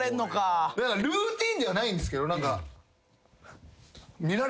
ルーティンではないんですけど何か。